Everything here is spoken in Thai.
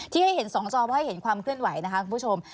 ให้เห็น๒จอเพราะให้เห็นความเคลื่อนไหวนะคะคุณผู้ชม